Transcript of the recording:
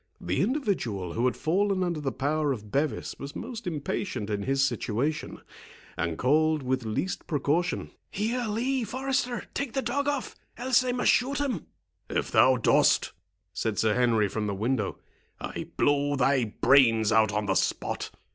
The individual who had fallen under the power of Bevis was most impatient in his situation, and called with least precaution—"Here, Lee,—Forester—take the dog off, else I must shoot him." "If thou dost," said Sir Henry, from the window, "I blow thy brains out on the spot.